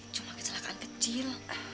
cuma kecelakaan kecil